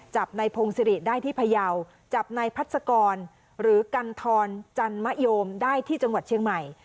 จับในพงศิริได้ที่พยาวจับนายพัศกรหรือกันทรจันมะโยมได้ที่จังหวัดเชียงใหม่